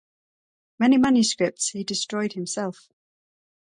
Many manuscripts he destroyed himself.